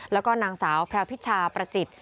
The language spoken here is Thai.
แล้วก็นางสาวพระพิชาประจิต